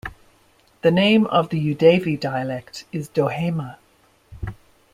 The name of the Eudeve dialect is "Dohema".